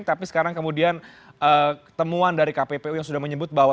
tapi sekarang kemudian temuan dari kppu yang sudah menyebut bahwa